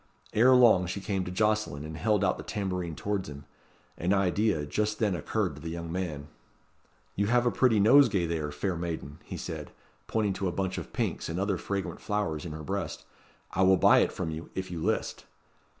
Ere long she came to Jocelyn, and held out the tambourine towards him. An idea just then occurred to the young man. "You have a pretty nosegay there, fair maiden," he said, pointing to a bunch of pinks and other fragrant flowers in her breast. "I will buy it from you, if you list."